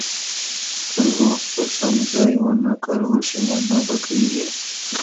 که زور په سم ځای ونه کارول شي مانا بدلیږي.